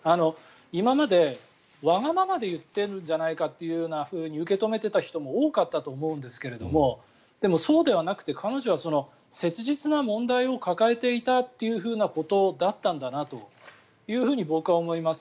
今まで、わがままで言ってるんじゃないかと受け止めていた人も多かったと思うんですけどでも、そうではなくて彼女は切実な問題を抱えていたということだったんだなと僕は思います。